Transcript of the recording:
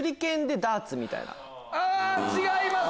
あ違います！